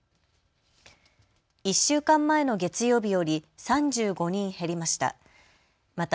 １週間前の月曜日より３５人減りました。